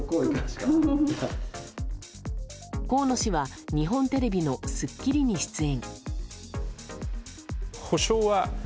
河野氏は日本テレビの「スッキリ」に出演。